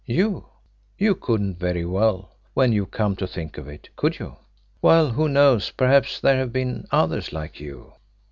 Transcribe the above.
You? You couldn't very well, when you come to think of it could you? Well, who knows, perhaps there have been others like you!"